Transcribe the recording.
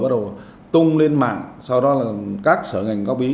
bắt đầu tung lên mạng sau đó là các sở ngành góp ý